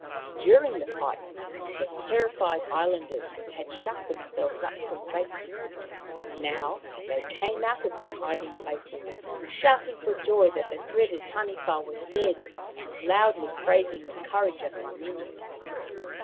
During the fight the terrified islanders had shut themselves up for safety. Now they came out of their hiding places, shouting for joy that the dreaded Taniwha was dead, and loudly prais ing the courage of Manini.